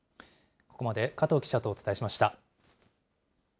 ここまで加藤記者とお伝えしました。